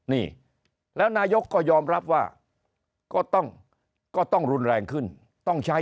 นี่แล้วนายกก็ยอมรับว่าก็ต้องก็ต้องรุนแรงขึ้นต้องใช้